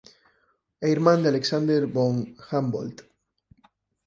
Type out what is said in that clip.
É irmán de Alexander von Humboldt.